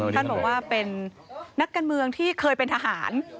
ท่านบอกว่าเป็นนักการเมืองที่เคยเป็นทหาร